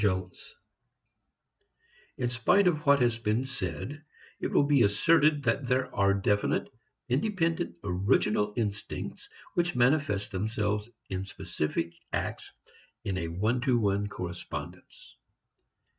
VI In spite of what has been said, it will be asserted that there are definite, independent, original instincts which manifest themselves in specific acts in a one to one correspondence.